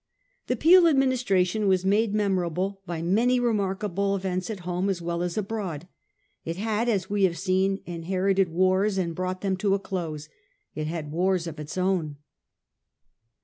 The Peel Administration was made memorable by many remarkable events at home as well as abroad. It had, as we have seen, inherited wars and brought them to a close : it had wars of its own.